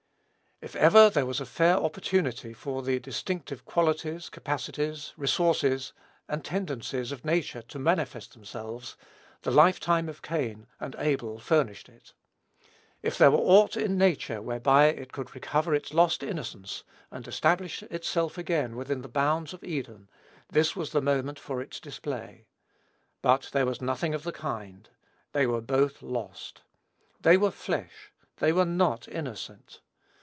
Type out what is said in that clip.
If ever there was a fair opportunity for the distinctive qualities, capacities, resources, and tendencies of nature to manifest themselves, the lifetime of Cain and Abel furnished it. If there were aught in nature, whereby it could recover its lost innocence, and establish itself again within the bounds of Eden, this was the moment for its display. But there was nothing of the kind. They were both lost. They were "flesh." They were not innocent.